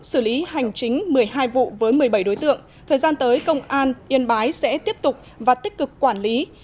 xử lý hành chính một mươi hai vụ với một mươi bảy đối tượng thời gian tới công an yên bái sẽ tiếp tục và tích cực quản lý